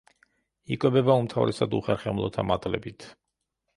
იკვებება უმთავრესად უხერხემლოთა მატლებით.